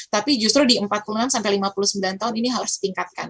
tapi justru di empat puluh enam sampai lima puluh sembilan tahun ini harus ditingkatkan